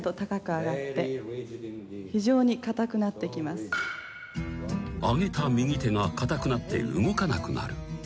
［上げた右手が硬くなって動かなくなる］